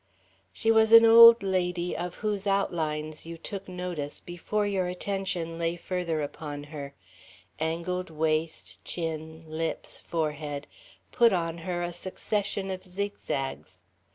She was an old lady of whose outlines you took notice before your attention lay further upon her angled waist, chin, lips, forehead, put on her a succession of zigzags.